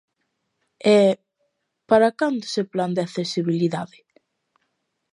E ¿para cando ese plan de accesibilidade?